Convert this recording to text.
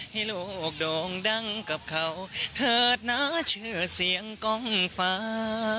ให้โลกโด่งดังกับเขาเถิดน่าเชื่อเสียงกล้องฟ้า